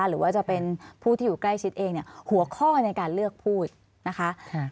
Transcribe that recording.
หรือว่าจะเป็นผู้ที่อยู่ใกล้ชิดเองเนี่ยหัวข้อในการเลือกพูดนะคะ